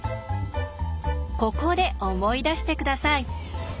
ここで思い出して下さい。